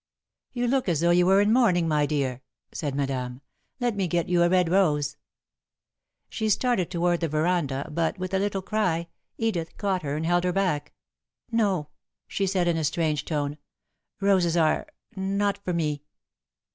"You look as though you were in mourning, my dear," said Madame. "Let me get you a red rose." [Sidenote: Things to Be Said] She started toward the veranda, but, with a little cry, Edith caught her and held her back. "No," she said, in a strange tone, "roses are not for me!"